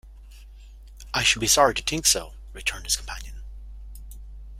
‘I should be sorry to think so,’ returned his companion.